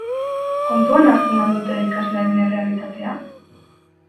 Kontuan hartzen al dute ikaslearen errealitatea?